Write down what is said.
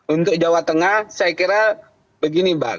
untuk jawa tengah saya kira begini mbak